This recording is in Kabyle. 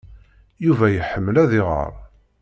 Yuba iḥemmel ad iɣer.